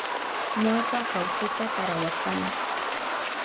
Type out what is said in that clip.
Ñawpa kawchuta tarawarkani.